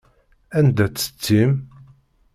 Anda-tt setti-m?